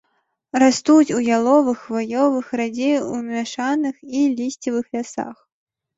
Растуць у яловых, хваёвых, радзей у мяшаных і лісцевых лясах.